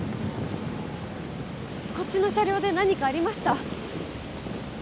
こっちの車両で何かありました？